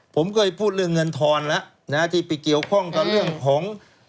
ผมเคยพูดเรื่องเงินทอนแล้วนะที่ไปเกี่ยวข้องกับเรื่องของ